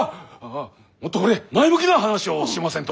ああもっとほれ前向きな話をしませんと！